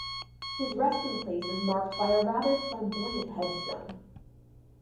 His resting place is marked by a rather flamboyant headstone.